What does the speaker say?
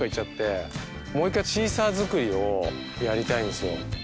もう１回シーサー作りをやりたいんですよ。